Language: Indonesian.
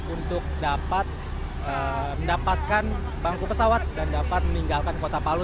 untuk dapat mendapatkan bangku pesawat dan dapat meninggalkan kota palu